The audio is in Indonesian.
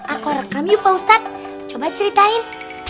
aku rekam yuk pak ustadz coba ceritain